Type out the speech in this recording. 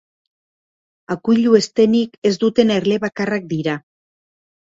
Akuilu-eztenik ez duten erle bakarrak dira.